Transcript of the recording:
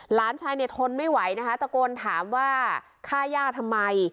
หลานชายเนี่ยทนไม่ไหวนะคะตะโกนถามว่าฆ่าย่าทำไม